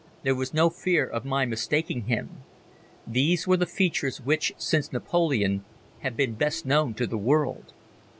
There was no fear of my mistaking him. These were the features which, since Napoleon, have been best known to the world.